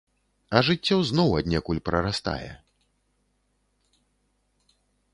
А жыццё зноў аднекуль прарастае.